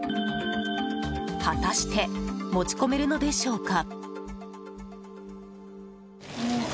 果たして持ち込めるのでしょうか。